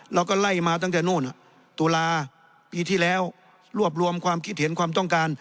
เราก็ไล่มาตั้งแต่นู่นตุลาปีที่แล้วรวบรวมความคิดเห็นความต้องการ